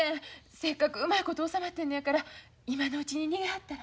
せっかくうまいこと収まってんのやから今のうちに逃げはったら。